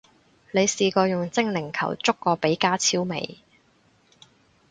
你試過用精靈球捉過比加超未？